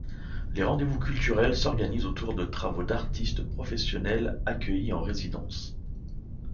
Les rendez-vous culturels s’organisent autour de travaux d’artistes professionnels accueillis en résidence.